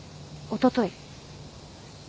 おととい？